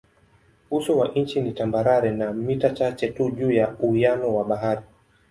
Uso wa nchi ni tambarare na mita chache tu juu ya uwiano wa bahari.